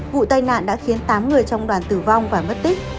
vụ tai nạn đã khiến tám người trong đoàn tử vong và mất tích